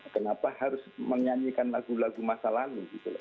kenapa harus menyanyikan lagu lagu masa lalu gitu loh